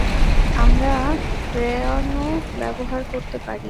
আমরা ফ্রেয়নও ব্যবহার করতে পারি।